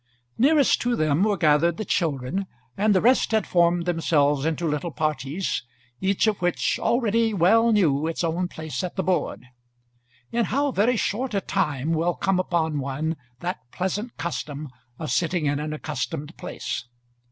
Nearest to them were gathered the children, and the rest had formed themselves into little parties, each of which already well knew its own place at the board. In how very short a time will come upon one that pleasant custom of sitting in an accustomed place!